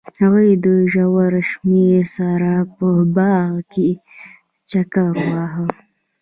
هغوی د ژور شمیم سره په باغ کې چکر وواهه.